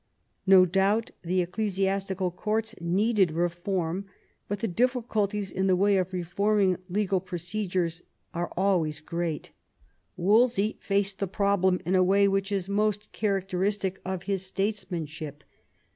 No doubt the ecclesiastical courts needed reform, but the difficulties in the way of reforming legal procedure are always great. Wolsey faced the problem in a way which is most characteristic of his statesmanship.